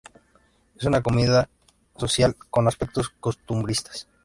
Es una comedia social, con aspectos costumbristas.